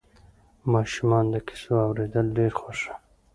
ماشومان د کیسو اورېدل ډېر خوښوي.